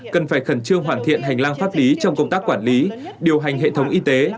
cần phải khẩn trương hoàn thiện hành lang pháp lý trong công tác quản lý điều hành hệ thống y tế